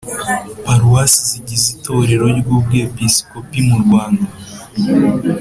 Paruwase zigize itorero ry Ubwepiskopi murwanda